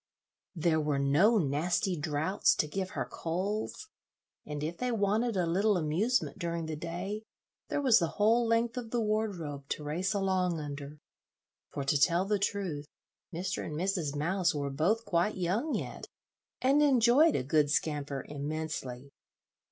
There were no nasty draughts to give her colds, and if they wanted a little amusement during the day, there was the whole length of the wardrobe to race along under; for, to tell the truth, Mr. and Mrs. Mouse were both quite young yet, and enjoyed a good scamper immensely.